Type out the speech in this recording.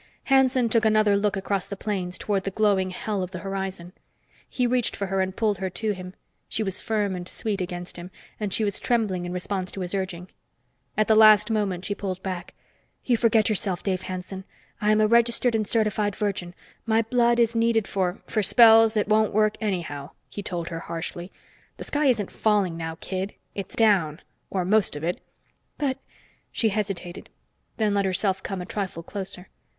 Hanson took another look across the plains toward the glowing hell of the horizon. He reached for her and pulled her to him. She was firm and sweet against him, and she was trembling in response to his urging. At the last moment she pulled back. "You forget yourself, Dave Hanson! I'm a registered and certified virgin. My blood is needed for " "For spells that won't work anyhow," he told her harshly. "The sky isn't falling now, kid. It's down or most of it." "But " She hesitated and then let herself come a trifle closer.